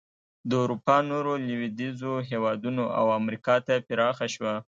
د اروپا نورو لوېدیځو هېوادونو او امریکا ته پراخه شوه.